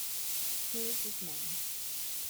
Who is this man?